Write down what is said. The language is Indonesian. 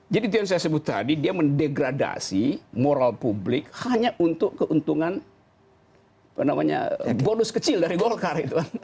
jadi itu yang saya sebut tadi dia mendegradasi moral publik hanya untuk keuntungan bonus kecil dari golkar